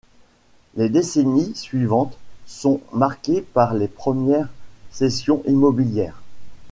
Les décennies suivantes sont marquées par les premières cessions immobilières.